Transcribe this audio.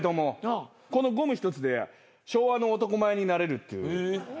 このゴム一つで昭和の男前になれるっていう。